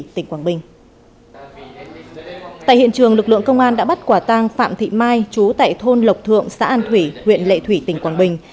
tại hiện trường lực lượng công an đã bắt quả tang phạm thị mai chú tại thôn lộc thượng xã an thủy huyện lệ thủy tỉnh quảng bình